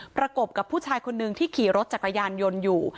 ประกบกับผู้ชายคนนึงที่ขี่รถจักรยานยนต์อยู่